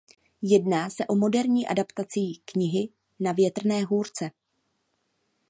Jedná se o moderní adaptací knihy Na Větrné hůrce.